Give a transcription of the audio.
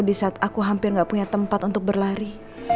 di saat aku hampir gak punya tempat untuk berlari